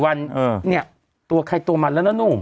วันเนี่ยตัวใครตัวมันแล้วนะหนุ่ม